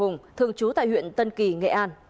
hùng thường trú tại huyện tân kỳ nghệ an